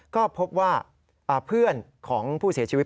ก็พบว่าเพื่อนของผู้เสียชีวิต